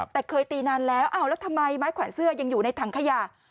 แต่เคยตีนานแล้วอ้าวแล้วทำไมไม้แขวนเสื้อยังอยู่ในถังขยะ